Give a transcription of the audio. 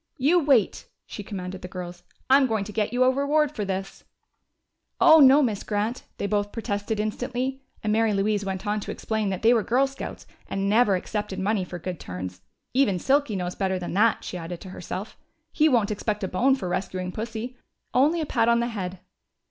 "You wait!" she commanded the girls, "I'm going to get you a reward for this!" "Oh, no, Miss Grant!" they both protested instantly, and Mary Louise went on to explain that they were Girl Scouts and never accepted money for good turns. (Even Silky knows better than that, she added to herself. He won't expect a bone for rescuing Pussy only a pat on the head!)